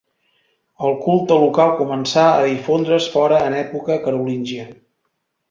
El culte local començà a difondre's fora en època carolíngia.